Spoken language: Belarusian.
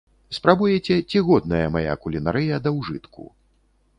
Спрабуеце, ці годная мая кулінарыя да ўжытку.